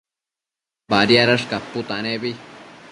Badiadash caputanebi